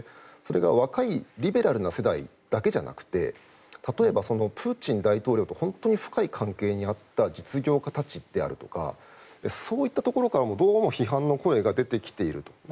それが若いリベラルな世代だけじゃなくて例えばプーチン大統領と本当に深い関係にあった実業家たちであるとかそういったところからどうも批判の声が出てきていると。